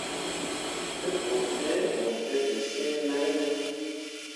Te ɓu fĩĩ mo dǝtǝs̃ǝǝ nai ne ?